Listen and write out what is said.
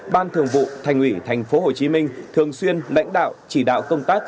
ban thường vụ thành ủy tp hcm thường xuyên lãnh đạo chỉ đạo công tác